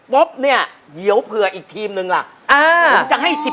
ดูแลเปล่าอะ